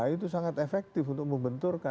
itu sangat efektif untuk membenturkan